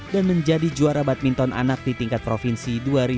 menjadi juara badminton anak di tingkat provinsi dua ribu dua puluh